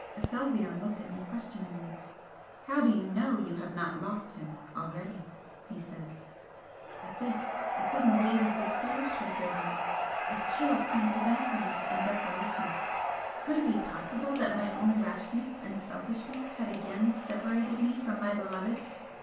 Aselzion looked at me questioningly. "How do you know you have not lost him already?" he said. At this a sudden wave of despair swept over me a chill sense of emptiness and desolation. Could it be possible that my own rashness and selfishness had again separated me from my beloved?